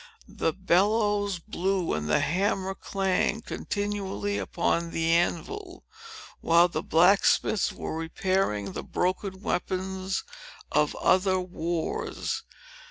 The bellows blew, and the hammer clanged continually upon the anvil, while the blacksmiths were repairing the broken weapons of other wars.